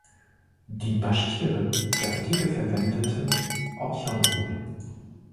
Die Baschkiren der Antike verwendeten Orchon-Runen.